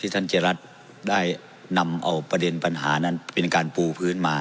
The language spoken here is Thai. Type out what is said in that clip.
ท่านเจรัตน์ได้นำเอาประเด็นปัญหานั้นเป็นการปูพื้นมา